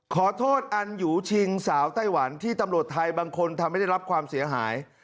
ขอโทษอันหยูชิงสาวไต้หวันที่ตำรวจไทยบางคนทำให้ได้รับความเสียหาย